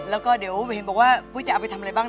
แล้วก็เดี๋ยวอับเห็นว่าปุ๊ยจะเอาไปทำอะไรบ้าง